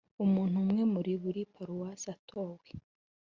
umuntu umwe muri buri paruwase atowe